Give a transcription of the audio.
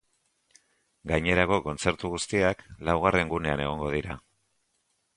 Gainerako kontzertu guztiak laugarren gunean egongo dira.